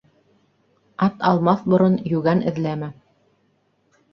Ат алмаҫ борон йүгән эҙләмә.